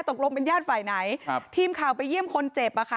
ตกลงเป็นญาติฝ่ายไหนครับทีมข่าวไปเยี่ยมคนเจ็บอ่ะค่ะ